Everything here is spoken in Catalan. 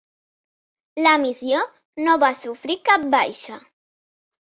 La missió no va sofrir cap baixa.